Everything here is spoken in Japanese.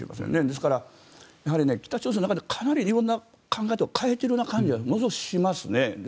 ですから、やはり、北朝鮮の中で色んな考えを変えてるような感じはものすごくしますね。